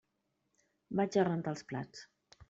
Vaig a rentar els plats.